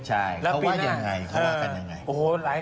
ใช่เขาว่ายังไงเขาว่ากันยังไง